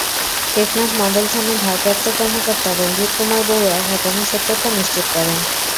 Teknaf model থানার ভারপ্রাপ্ত কর্মকর্তা রনজিৎ কুমার বড়ুয়া ঘটনার সত্যতা নিশ্চিত করেন।